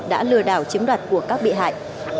đã lừa đảo chiếm đoạt của các bị hại